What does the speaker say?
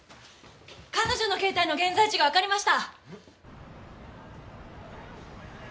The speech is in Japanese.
彼女の携帯の現在位置がわかりました！